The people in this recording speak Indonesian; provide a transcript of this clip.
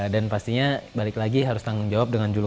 dan pastinya balik lagi harus tanggung jawab dengan prastawa